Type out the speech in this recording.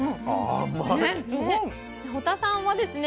堀田さんはですね